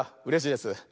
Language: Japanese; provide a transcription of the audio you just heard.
「うれしいです」。